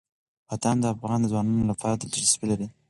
بادام د افغان ځوانانو لپاره دلچسپي لري.